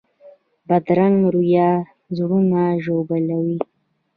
بدرنګه رویه زړونه ژوبلوي